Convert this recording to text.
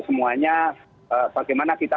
semuanya bagaimana kita